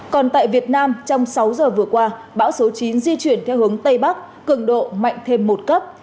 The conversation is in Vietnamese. còn tại việt nam trong sáu giờ vừa qua bão số chín di chuyển theo hướng tây bắc cường độ mạnh thêm một cấp